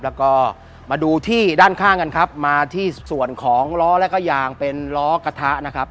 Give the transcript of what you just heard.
แล้วก็มาดูที่ด้านข้างกันครับมาที่ส่วนของล้อแล้วก็ยางเป็นล้อกระทะนะครับ